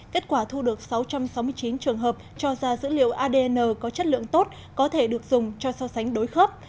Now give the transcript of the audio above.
kết quả thu được sáu trăm sáu mươi chín trường hợp cho ra dữ liệu adn có chất lượng tốt có thể được dùng cho so sánh đối khớp